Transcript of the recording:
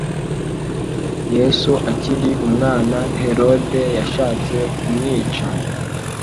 yesu akiri umwana herode yashatse kumwica